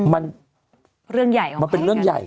มันเป็นเรื่องใหญ่